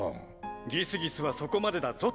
ギスギスはそこまでだぞと。